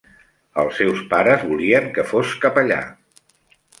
Els seus pares volien que fos capellà.